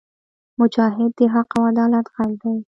مجاهد د حق او عدالت غږ دی.